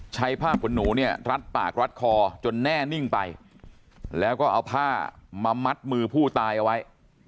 ใช้ผ้าขนหนูเนี่ยรัดปากรัดคอจนแน่นิ่งไปแล้วก็เอาผ้ามามัดมือผู้ตายเอาไว้